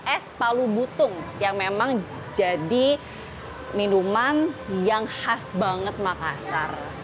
es palu butung yang memang jadi minuman yang khas banget makassar